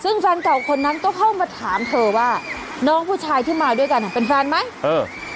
ซึ่งแฟนเก่าคนนั้นก็เข้ามาถามเธอว่าน้องผู้ชายที่มาด้วยกันอ่ะเป็นแฟนไหมเออ